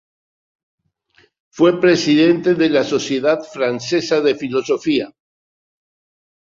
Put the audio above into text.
Fue Presidente de la Sociedad Francesa de Filosofía.